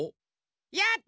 やった！